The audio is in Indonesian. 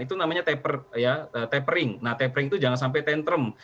itu namanya tapering nah tapering itu jangan sampai tantrum